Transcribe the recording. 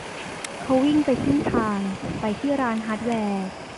เขาวิ่งไปครึ่งทางไปที่ร้านฮาร์ดแวร์